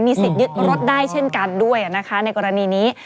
สิทธิ์ยึดรถได้เช่นกันด้วยนะคะในกรณีนี้